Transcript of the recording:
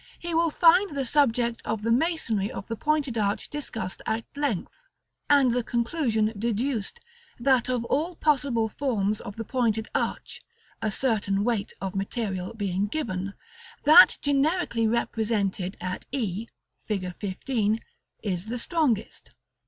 he will find the subject of the masonry of the pointed arch discussed at length, and the conclusion deduced, that of all possible forms of the pointed arch (a certain weight of material being given), that generically represented at e, Fig. XV., is the strongest.